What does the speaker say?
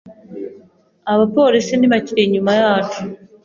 Abapolisi ntibakiri inyuma yacu.